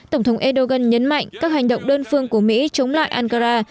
tổng thống erdogan nhấn mạnh các hành động đơn phương của mỹ chống lại ankara